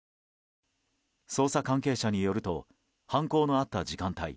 捜査関係者によると犯行のあった時間帯